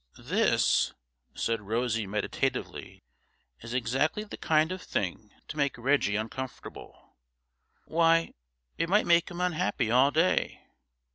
'This,' said Rosie meditatively, 'is exactly the kind of thing to make Reggie uncomfortable. Why, it might make him unhappy all day.